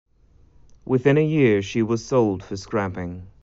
Within a year she was sold for scrapping.